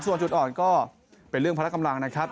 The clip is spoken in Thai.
ส่วนจุดอ่อนก็เป็นเรื่องพละกำลังนะครับ